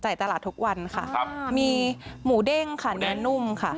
จ่ายตลาดทุกวันครับมีหมูเด้งค่ะตัวเนื่องหนุ่มค่ะ